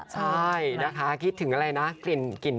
ใช่นะคะคิดถึงอะไรนะกลิ่น